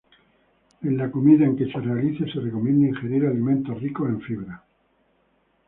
En la comida en que se realice se recomienda ingerir alimentos ricos en fibra.